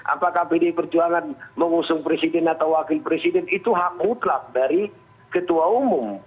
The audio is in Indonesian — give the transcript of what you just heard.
apakah pdi perjuangan mengusung presiden atau wakil presiden itu hak mutlak dari ketua umum